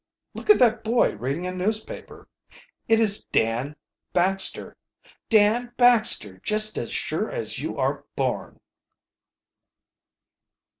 "Look at that boy reading a newspaper. It is Dan Baxter Dan Baxter, just as sure as you are born!"